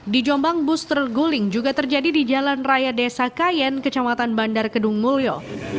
di jombang bus terguling juga terjadi di jalan raya desa kayen kecamatan bandar kedung mulyo